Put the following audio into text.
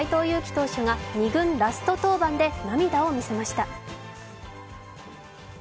投手が２軍ラスト登板で涙を見せました。